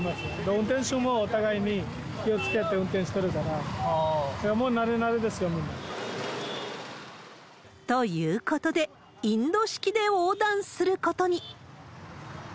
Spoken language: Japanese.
運転手もお互いに気をつけて運転してるから、もう慣れ慣れですよ、ということで、インド式で横断することに。